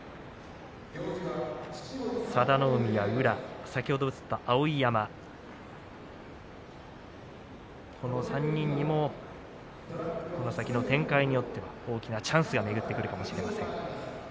佐田の海、宇良、碧山この３人にもこの先の展開によっては大きなチャンスが巡ってくるかもしれません。